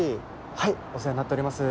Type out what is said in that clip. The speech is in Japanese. はいお世話になっております。